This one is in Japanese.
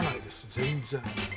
全然。